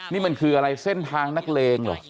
นี่มันคืออะไรเส้นทางนักเลงเหรอ